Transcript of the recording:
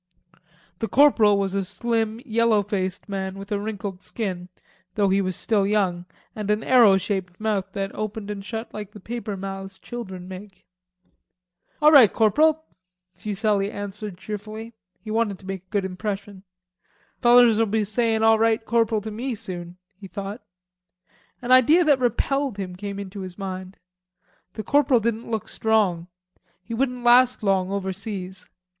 The corporal was a slim yellow faced man with a wrinkled skin, though he was still young, and an arrow shaped mouth that opened and shut like the paper mouths children make. "All right, corporal," Fuselli answered cheerfully. He wanted to make a good impression. "Fellers'll be sayin' 'All right, corporal,' to me soon," he thought. An idea that he repelled came into his mind. The corporal didn't look strong. He wouldn't last long overseas.